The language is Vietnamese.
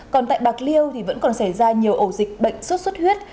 còn tại bạc liêu thì vẫn còn xảy ra nhiều ổ dịch bệnh sốt xuất huyết